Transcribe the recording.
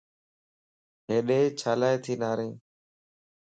ھيڏي ڇيلاتي نارين؟